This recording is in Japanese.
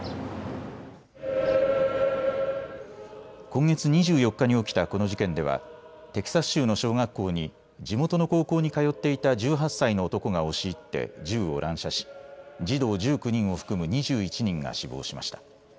今月２４日に起きたこの事件ではテキサス州の小学校に地元の高校に通っていた１８歳の男が押し入って銃を乱射し児童１９人を含む２１人が死亡しました。